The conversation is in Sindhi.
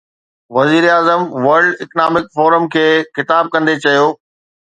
وزيراعظم ورلڊ اڪنامڪ فورم کي خطاب ڪندي چيو